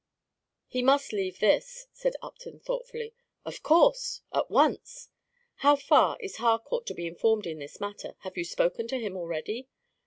"He must leave this," said Upton, thoughtfully. "Of course, at once!" "How far is Harcourt to be informed in this matter; have you spoken to him already?"